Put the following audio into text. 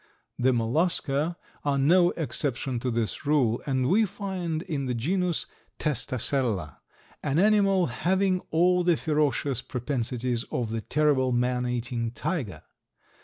The Mollusca are no exception to this rule, and we find in the genus Testacella an animal having all the ferocious propensities of the terrible man eating tiger.